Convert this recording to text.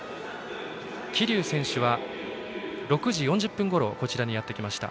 桐生選手は６時４０分ごろこちらにやってきました。